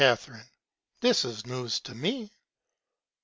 This is News to me.